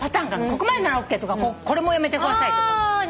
ここまでならＯＫとかこれもやめてくださいとか。